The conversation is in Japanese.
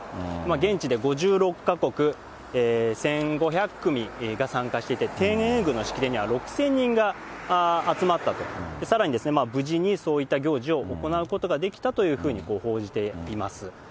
現地で５６か国１５００組が参加していて、天苑宮の式典には６０００人が集まったと、さらに無事にそういった行事を行うことができたというふうに報じています。